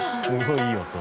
すごい！